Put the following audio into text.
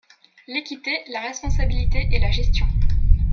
l’équité, la responsabilité et la gestion